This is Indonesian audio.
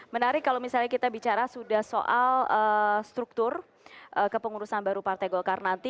menarik kalau misalnya kita bicara sudah soal struktur kepengurusan baru partai golkar nanti